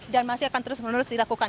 dan masih akan terus menerus dilakukan